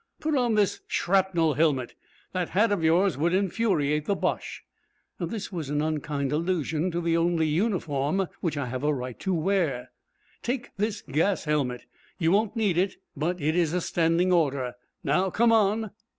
'Put on this shrapnel helmet. That hat of yours would infuriate the Boche' this was an unkind allusion to the only uniform which I have a right to wear. 'Take this gas helmet. You won't need it, but it is a standing order. Now come on!'